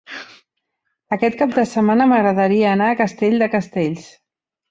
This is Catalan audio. Aquest cap de setmana m'agradaria anar a Castell de Castells.